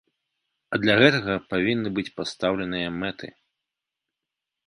А для гэтага павінны быць пастаўленыя мэты.